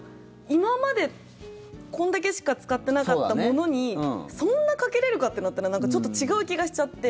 今まで、こんだけしか使ってなかったものにそんなかけれるかってなったらちょっと違う気がしちゃって。